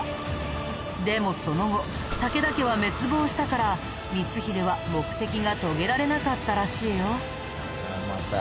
でもその後武田家は滅亡したから光秀は目的が遂げられなかったらしいよ。